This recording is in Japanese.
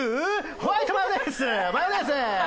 ホワイトマヨネーズマヨネーズ！